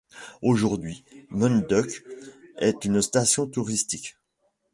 Aujourd'hui, Munduk est une station touristique.